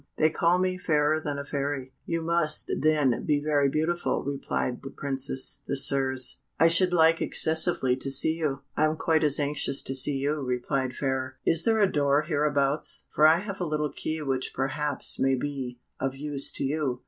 They call me Fairer than a Fairy." "You must, then, be very beautiful," replied the Princess Désirs; "I should like excessively to see you." "I am quite as anxious to see you," replied Fairer. "Is there a door hereabouts, for I have a little key which perhaps may be of use to you."